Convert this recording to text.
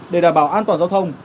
để đảm bảo an toàn giao thông